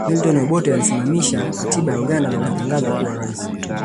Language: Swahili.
Milton Obote aliisimamisha katiba ya Uganda na kujitangaza kuwa rais